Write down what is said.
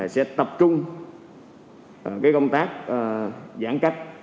sẽ tập trung công tác giãn cách